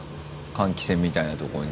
換気扇みたいなとこに。